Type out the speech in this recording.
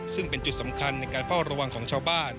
ซึ่งเป็นจุดสำคัญในการเฝ้าระวังของชาวบ้าน